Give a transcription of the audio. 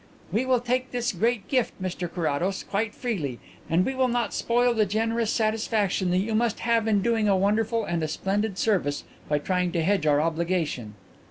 "We will take this great gift, Mr Carrados, quite freely, and we will not spoil the generous satisfaction that you must have in doing a wonderful and a splendid service by trying to hedge our obligation."